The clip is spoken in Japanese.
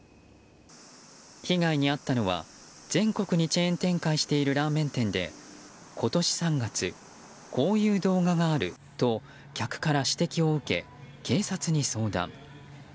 被害に遭ったのは全国にチェーン展開しているラーメン店で今年３月、こういう動画があると客から指摘を受け警察に相談。